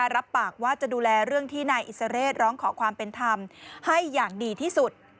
รับปากว่าจะดูแลเรื่องที่นายอิสเรศร้องขอความเป็นธรรมให้อย่างดีที่สุด